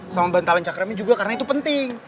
sama bantalan cakrami juga karena itu penting